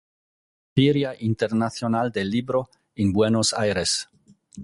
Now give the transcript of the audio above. Feria International del Libro“ in Buenos Aires.